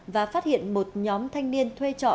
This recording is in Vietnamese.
và phát hiện một nhóm thanh niên thuê trọ